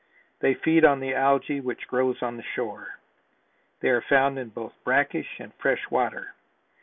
They feed on the algae which grows on the shore. They are found in both brackish and fresh water.